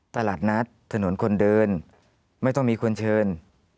ตลาดนัดถนนคนเดินไม่ต้องมีคนเชิญ